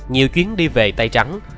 nhiều chuyến đi về tay trắng